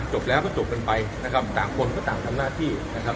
จบแล้วก็จบกันไปนะครับต่างคนก็ต่างทำหน้าที่นะครับ